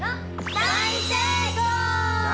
大成功だ！